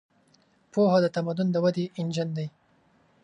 پوهه د تمدن د ودې انجن دی.